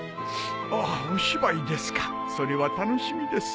お芝居ですかそれは楽しみです。